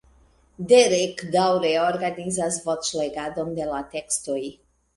Derek daŭre organizas voĉlegadon de la tekstoj.